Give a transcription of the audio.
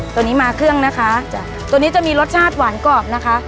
ตัวนี้มาเครื่องนะคะจ้ะตัวนี้จะมีรสชาติหวานกรอบนะคะ